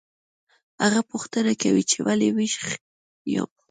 هغه پوښتنه کوي چې ولې ویښ یم